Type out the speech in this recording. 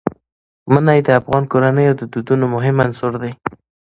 منی د افغان کورنیو د دودونو مهم عنصر دی.